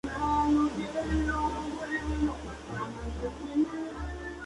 Su asesor de tesis fue Tom Head.